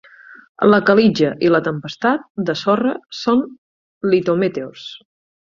La calitja i la tempestat de sorra són litometeors.